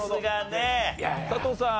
佐藤さん